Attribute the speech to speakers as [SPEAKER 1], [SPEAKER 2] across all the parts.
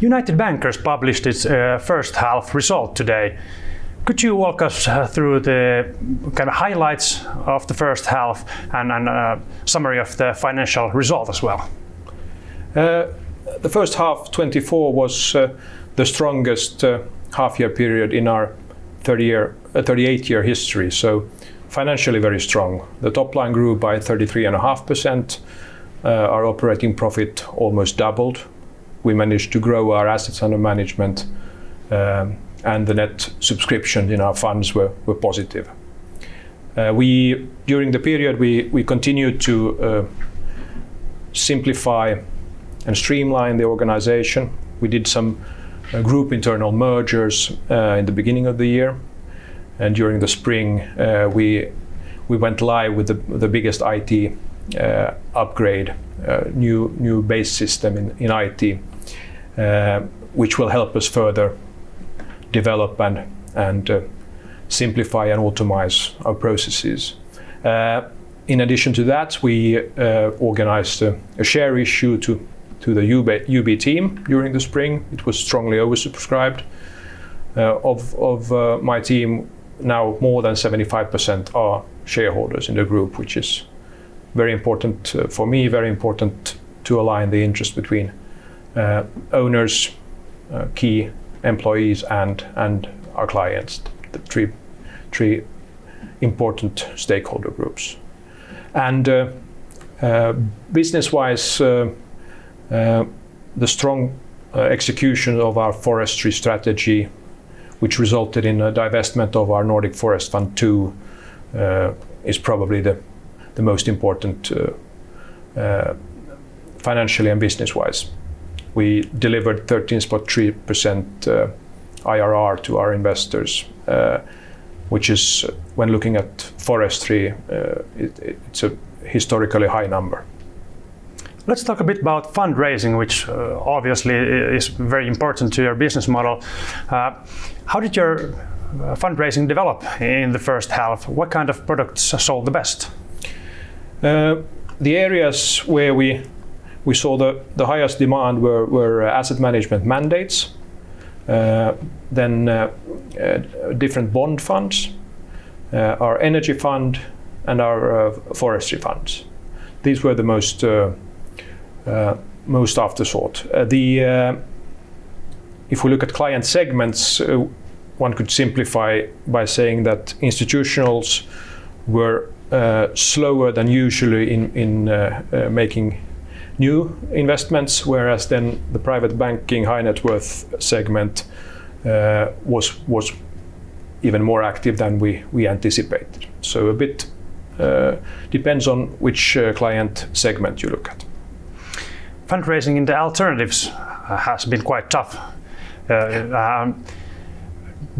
[SPEAKER 1] United Bankers published its first half result today. Could you walk us through the kind of highlights of the first half and then a summary of the financial result as well?
[SPEAKER 2] The first half 2024 was the strongest half-year period in our 30-year 38-year history, so financially very strong. The top line grew by 33.5%. Our operating profit almost doubled. We managed to grow our assets under management, and the net subscription in our funds were positive. During the period, we continued to simplify and streamline the organization. We did some group internal mergers in the beginning of the year, and during the spring, we went live with the biggest IT upgrade, new base system in IT, which will help us further develop and simplify and automate our processes. In addition to that, we organized a share issue to the UB team during the spring. It was strongly oversubscribed. Of my team, now more than 75% are shareholders in the group, which is very important for me, very important to align the interest between owners, key employees, and our clients, the three important stakeholder groups. Business-wise, the strong execution of our forestry strategy, which resulted in a divestment of our Nordic Forest Fund II, is probably the most important, financially and business-wise. We delivered 13.3% IRR to our investors, which is, when looking at forestry, it's a historically high number.
[SPEAKER 1] Let's talk a bit about fundraising, which, obviously is very important to your business model. How did your fundraising develop in the first half? What kind of products sold the best?
[SPEAKER 2] The areas where we saw the highest demand were asset management mandates, then different bond funds, our energy fund, and our forestry funds. These were the most sought after. If we look at client segments, one could simplify by saying that institutionals were slower than usually in making new investments, whereas then the private banking high net worth segment was even more active than we anticipated. So a bit depends on which client segment you look at.
[SPEAKER 1] Fundraising in the alternatives has been quite tough.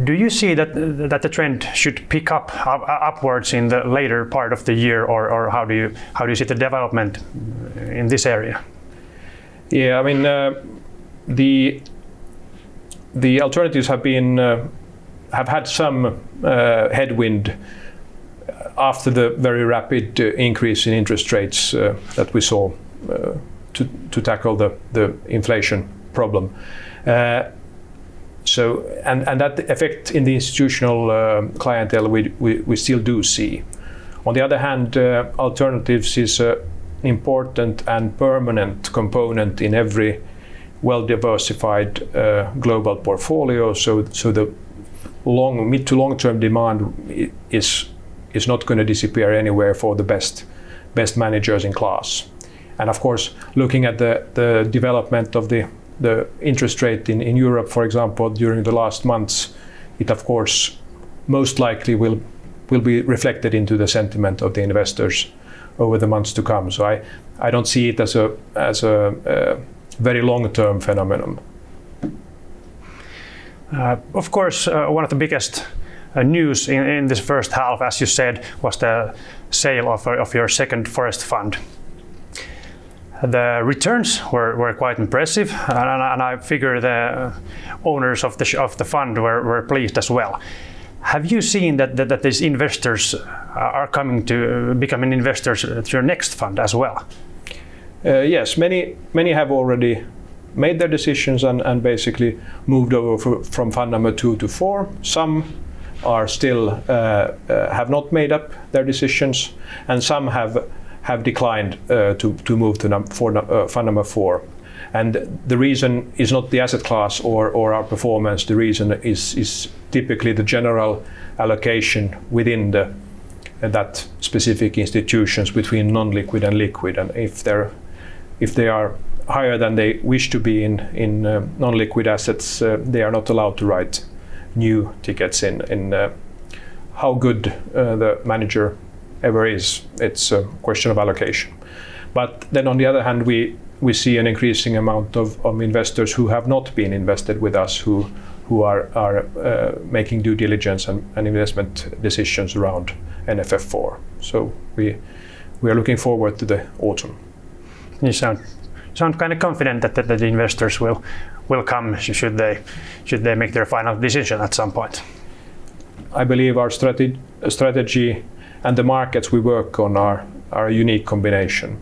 [SPEAKER 1] Do you see that the trend should pick up upwards in the later part of the year, or how do you see the development in this area?
[SPEAKER 2] Yeah, I mean, the alternatives have been, have had some headwind after the very rapid increase in interest rates that we saw to tackle the inflation problem. So... And that effect in the institutional clientele, we still do see. On the other hand, alternatives is a important and permanent component in every well-diversified global portfolio, so the long, mid to long-term demand is not gonna disappear anywhere for the best managers in class. And of course, looking at the development of the interest rate in Europe, for example, during the last months, it of course most likely will be reflected into the sentiment of the investors over the months to come. So I don't see it as a very long-term phenomenon.
[SPEAKER 1] Of course, one of the biggest news in this first half, as you said, was the sale of your second forest fund. The returns were quite impressive, and I figure the owners of the fund were pleased as well. Have you seen that these investors are coming to becoming investors at your next fund as well?
[SPEAKER 2] Yes. Many, many have already made their decisions and basically moved over from fund number two to four. Some are still, have not made up their decisions, and some have declined to move to number four, fund number four. And the reason is not the asset class or our performance. The reason is typically the general allocation within that specific institutions between non-liquid and liquid. And if they are higher than they wish to be in non-liquid assets, they are not allowed to write new tickets in how good the manager ever is. It's a question of allocation. But then on the other hand, we see an increasing amount of investors who have not been invested with us, who are making due diligence and investment decisions around NFF4. So we are looking forward to the autumn.
[SPEAKER 1] You sound kind of confident that the investors will come, should they make their final decision at some point?...
[SPEAKER 2] I believe our strategy and the markets we work on are a unique combination.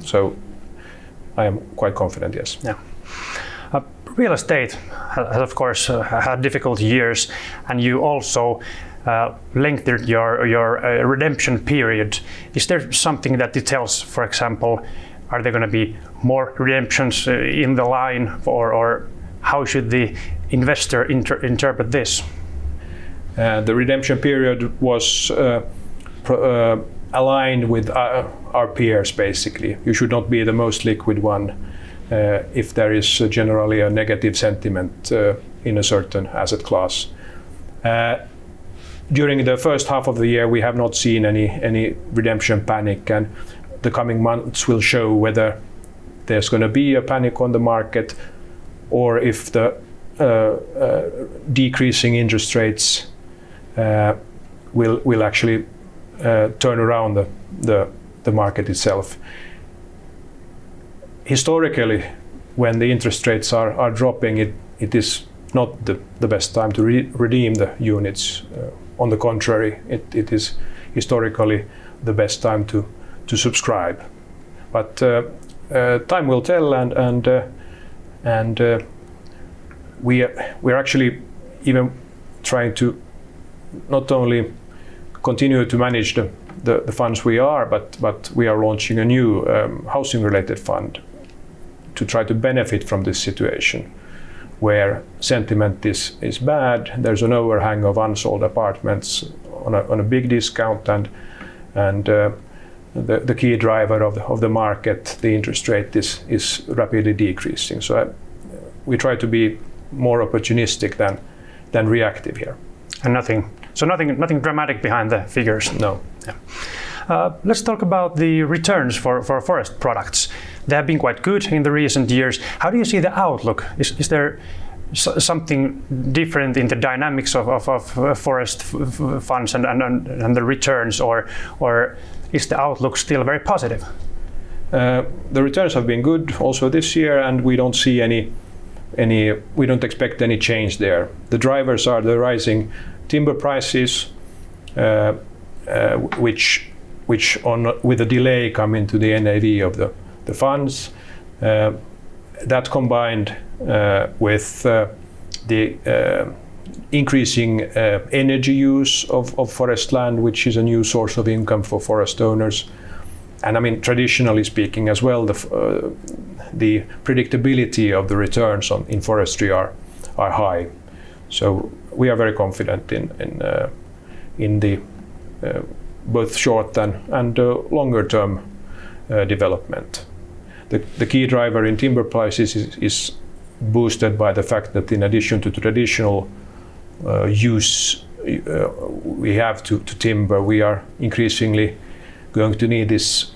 [SPEAKER 2] So I am quite confident, yes.
[SPEAKER 1] Yeah. Real estate has, of course, had difficult years, and you also lengthened your redemption period. Is there something in the details, for example, are there gonna be more redemptions in the pipeline, or how should the investor interpret this?
[SPEAKER 2] The redemption period was aligned with our peers, basically. You should not be the most liquid one if there is generally a negative sentiment in a certain asset class. During the first half of the year, we have not seen any redemption panic, and the coming months will show whether there's gonna be a panic on the market or if the decreasing interest rates will actually turn around the market itself. Historically, when the interest rates are dropping, it is not the best time to redeem the units. On the contrary, it is historically the best time to subscribe, but time will tell, and we are... We're actually even trying to not only continue to manage the funds we are, but we are launching a new housing-related fund to try to benefit from this situation, where sentiment is bad, there's an overhang of unsold apartments on a big discount, and the key driver of the market, the interest rate, is rapidly decreasing. So we try to be more opportunistic than reactive here.
[SPEAKER 1] And nothing... So nothing, nothing dramatic behind the figures?
[SPEAKER 2] No.
[SPEAKER 1] Yeah. Let's talk about the returns for forest products. They have been quite good in the recent years. How do you see the outlook? Is there something different in the dynamics of forest funds and the returns, or is the outlook still very positive?
[SPEAKER 2] The returns have been good also this year, and we don't see any. We don't expect any change there. The drivers are the rising timber prices, which, with a delay, come into the NAV of the funds. That combined with the increasing energy use of forest land, which is a new source of income for forest owners, and I mean, traditionally speaking as well, the predictability of the returns in forestry are high, so we are very confident in both short and longer term development. The key driver in timber prices is boosted by the fact that in addition to the traditional use of timber, we are increasingly going to need this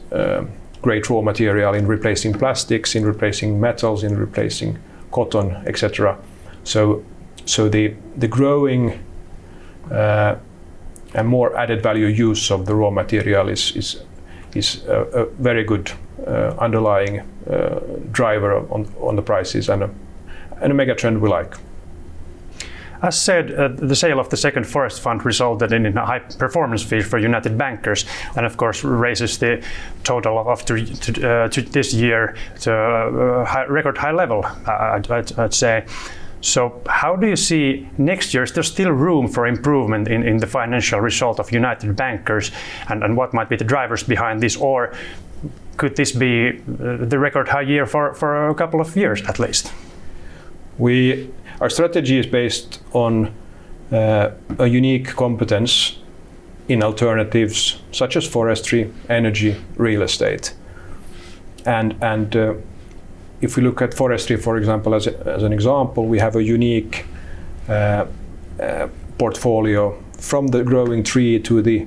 [SPEAKER 2] great raw material in replacing plastics, in replacing metals, in replacing cotton, et cetera. So, the growing and more added value use of the raw material is a very good underlying driver on the prices, and a mega trend we like.
[SPEAKER 1] As said, the sale of the second forest fund resulted in a high performance fee for United Bankers and, of course, raises the total of after-tax to this year to a high, a record high level, I'd say. So how do you see next year? Is there still room for improvement in the financial result of United Bankers, and what might be the drivers behind this? Or could this be the record high year for a couple of years at least?
[SPEAKER 2] Our strategy is based on a unique competence in alternatives such as forestry, energy, real estate, and if we look at forestry, for example, as an example, we have a unique portfolio from the growing tree to the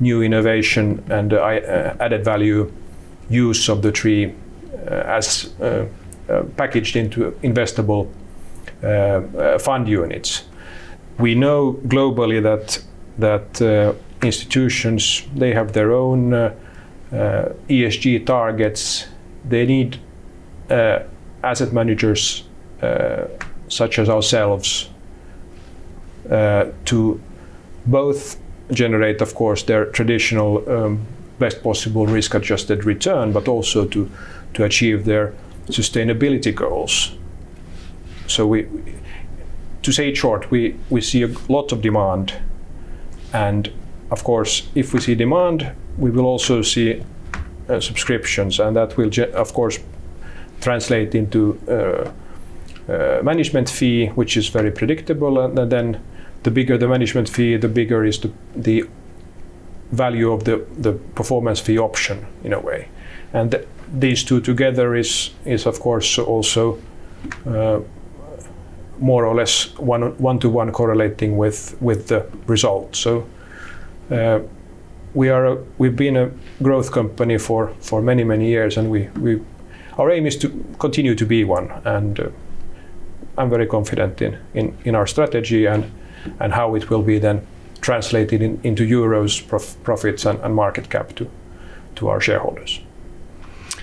[SPEAKER 2] new innovation, and added value use of the tree, as packaged into investable fund units. We know globally that institutions, they have their own ESG targets. They need asset managers such as ourselves to both generate, of course, their traditional best possible risk-adjusted return, but also to achieve their sustainability goals. So we... To say it short, we see a lot of demand, and, of course, if we see demand, we will also see subscriptions, and that will, of course, translate into management fee, which is very predictable. Then the bigger the management fee, the bigger is the value of the performance fee option, in a way. And these two together is, of course, also more or less one-to-one correlating with the results. So, we are. We've been a growth company for many years, and we... Our aim is to continue to be one, and I'm very confident in our strategy and how it will be then translated into euros, profits, and market capital to our shareholders.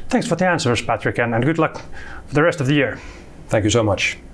[SPEAKER 1] Thanks for the answers, Patrick, and good luck with the rest of the year.
[SPEAKER 2] Thank you so much.